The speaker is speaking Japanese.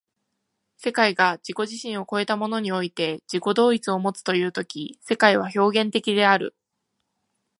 世界が自己自身を越えたものにおいて自己同一をもつという時世界は表現的である。